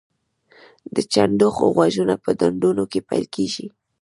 د چنډخو غږونه په ډنډونو کې پیل کیږي